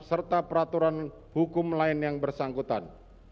serta peraturan hukum lain yang bersangkutan